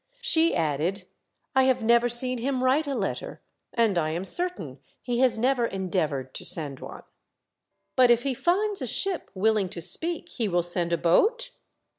She added, " I have never seen him write a letter, and I am certain he has never endeavoured to send one." " But if he finds a ship willing to speak, he will send a boat